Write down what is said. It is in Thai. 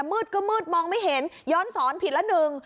มืดก็มืดมองไม่เห็นย้อนสอนผิดละหนึ่ง